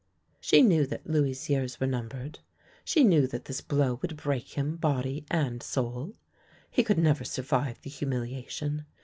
She knew that Louis' years were numbered. She knew that this blow would break him body and soul. He could never survive the humiliation.